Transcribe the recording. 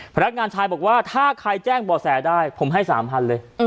พนักงานชายบอกว่าถ้าใครแจ้งบ่อแสได้ผมให้๓๐๐เลย